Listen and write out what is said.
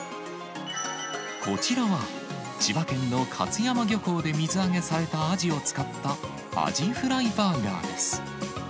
こちらは、千葉県の勝山漁港で水揚げされたアジを使った、アジフライバーガーです。